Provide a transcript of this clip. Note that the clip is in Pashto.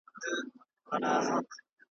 چي قلم پورته کومه کردګار ته غزل لیکم .